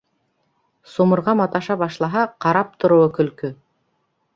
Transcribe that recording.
—Сумырға маташа башлаһа, ҡарап тороуы көлкө.